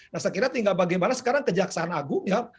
nah sekiranya tinggal bagaimana sekarang kejaksaan agung ya